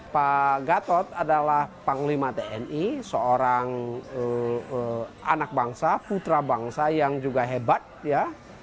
pak gatot adalah panglima tni seorang anak bangsa putra bangsa yang juga hebat ya